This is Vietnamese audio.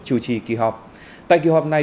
chủ trì kỳ họp tại kỳ họp này